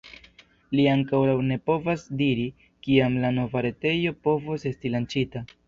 Li ankoraŭ ne povas diri, kiam la nova retejo povos esti lanĉita.